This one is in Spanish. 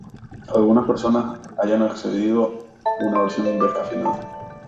algunas personas hayan accedido a una versión descafeinada